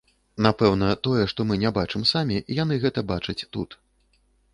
Напэўна, тое, што мы не бачым самі, яны гэта бачаць тут.